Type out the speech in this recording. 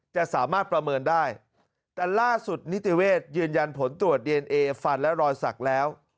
จะสามารถประเมินได้แต่ล่าสุดนิติเวทยืนยันผลตรวจดีเอนเอฟันและรอยสักแล้ว